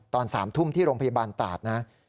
ตอน๓ทุ่มที่โรงพยาบาลตาดนะ